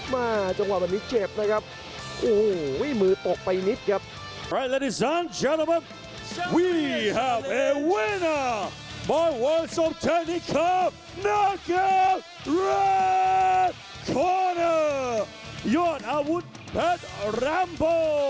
มาจงหวัดแบบนี้เจ็บนะครับโอ้โหวิ่งมือตกไปนิดครับ